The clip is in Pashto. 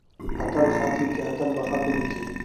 اتل خط ليکي. اتل به خط وليکي.